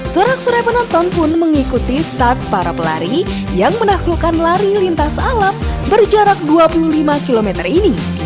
sorak sorai penonton pun mengikuti start para pelari yang menaklukkan lari lintas alam berjarak dua puluh lima km ini